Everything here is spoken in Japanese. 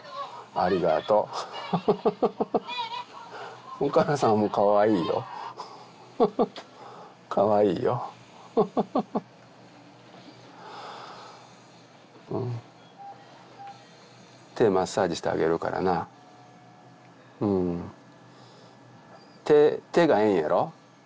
ありがとうハハハハハお母さんもかわいいよハハッかわいいよハハハハ手マッサージしてあげるからなうん手がええんやろ？